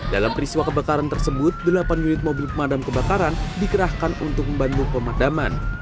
dalam peristiwa kebakaran tersebut delapan unit mobil pemadam kebakaran dikerahkan untuk membantu pemadaman